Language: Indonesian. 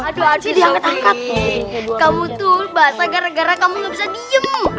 aduh aduh diangkat angkat nih kamu tuh basah gara gara kamu gak bisa diem